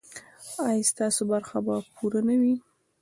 ایا ستاسو برخه به پوره نه وي؟